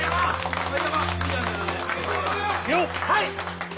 はい！